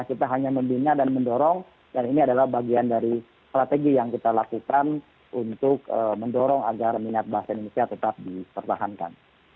kita hanya membina dan mendorong dan ini adalah bagian dari strategi yang kita lakukan untuk mendorong agar minat bahasa indonesia tetap dipertahankan